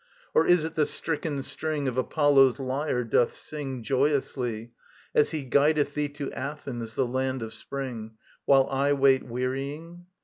Or is it the stricken string Of Apollo's lyre doth sing Joyously, as he guideth thee To Athens, the land of spring; While I wait wearying?